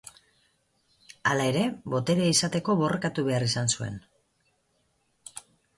Hala ere, boterea izateko borrokatu behar izan zuen.